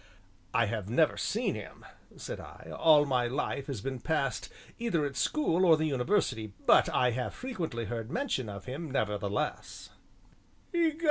"I have never seen him," said I; "all my life has been passed either at school or the university, but I have frequently heard mention of him, nevertheless."